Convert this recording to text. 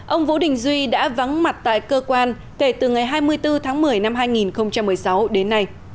ông vũ đình duy đã vắng mặt tại cơ quan kể từ ngày hai mươi bốn tháng một mươi năm hai nghìn một mươi sáu đến nay